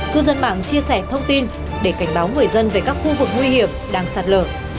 cư dân mạng chia sẻ thông tin để cảnh báo người dân về các khu vực nguy hiểm đang sạt lở